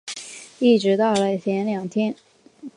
一直到了前两天